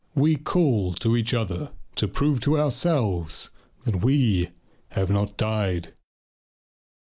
We call to each other to prove to ourselves that we have not died.